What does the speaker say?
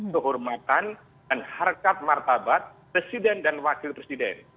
kehormatan dan harkat martabat presiden dan wakil presiden